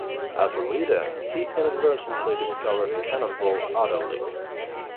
As a leader he inadvertently discovered Cannonball Adderley.